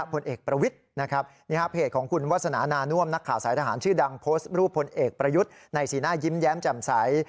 ผลเอกประวิทย์นะครับนี่ฮะเพจของคุณวาสนานาน่วมนักข่าวสายทหารชื่อดังโพสต์รูปพลเอกประยุทธ์ในสีหน้ายิ้มแย้มแจ่มใส